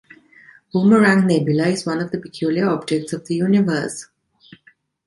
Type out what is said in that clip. Boomerang nebula is one of the peculiar objects of the universe.